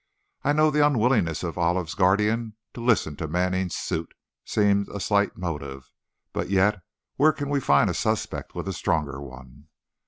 I know the unwillingness of Olive's guardian to listen to Manning's suit, seems a slight motive, yet where can we find a suspect with a stronger one?"